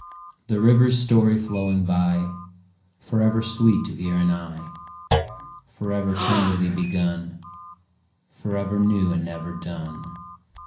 The river's story flowing by, Forever sweet to ear and eye, Forever tenderly begun Forever new and never done.